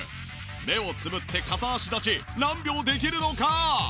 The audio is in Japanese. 目をつむって片足立ち何秒できるのか？